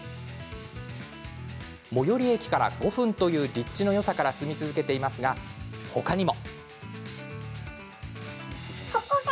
最寄り駅から５分という立地のよさから住み続けていますが他にも。